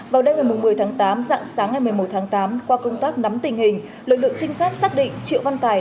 vào đêm ngày một mươi tháng tám dạng sáng ngày một mươi một tháng tám qua công tác nắm tình hình lực lượng trinh sát xác định triệu văn tài